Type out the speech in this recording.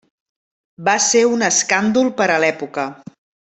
Va ser un escàndol per a l'època.